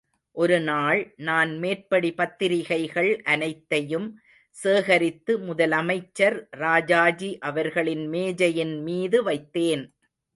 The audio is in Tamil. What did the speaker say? ஒருநாள் நான் மேற்படி பத்திரிகைகள் அனைத்தையும் சேகரித்து முதலமைச்சர் ராஜாஜி அவர்களின் மேஜையின்மீது வைத்தேன்.